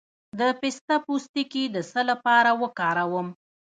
د پسته پوستکی د څه لپاره وکاروم؟